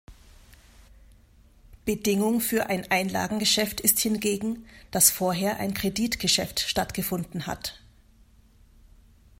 Bedingung für ein Einlagengeschäft ist hingegen, dass vorher ein Kreditgeschäft stattgefunden hat.